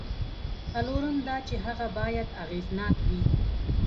څلورم دا چې هغه باید اغېزناک وي.